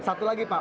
satu lagi pak